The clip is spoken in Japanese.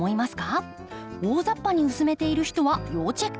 大ざっぱに薄めている人は要チェック。